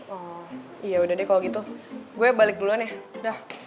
oh yaudah deh kalo gitu gue balik duluan ya dah